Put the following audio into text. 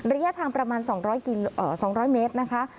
ระยะทางประมาณ๒๐๐เมตรนะคะ